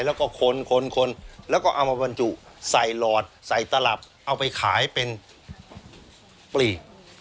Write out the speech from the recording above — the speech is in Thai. แล้วก็คนคนแล้วก็เอามาบรรจุใส่หลอดใส่ตลับเอาไปขายเป็นปลีก